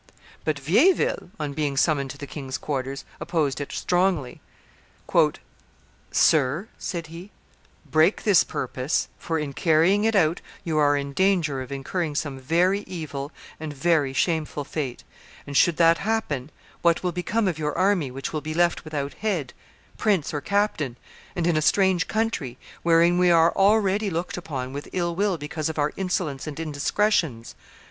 But Vieilleville, on being summoned to the king's quarters, opposed it strongly. "Sir," said he, "break this purpose, for in carrying it out you are in danger of incurring some very evil and very shameful fate; and, should that happen, what will become of your army which will be left without head, prince, or captain, and in a strange country, wherein we are already looked upon with ill will because of our insolence and indiscretions?